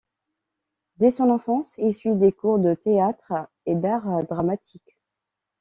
Dès son enfance, il suit des cours de théâtre et d’art dramatique.